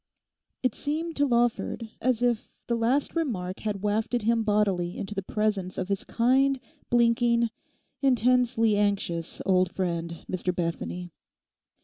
It seemed to Lawford as if the last remark had wafted him bodily into the presence of his kind, blinking, intensely anxious old friend, Mr Bethany.